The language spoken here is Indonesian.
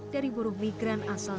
dari burung migran asal